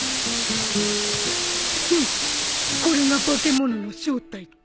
フンッこれが化け物の正体か。